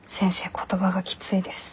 言葉がきついです。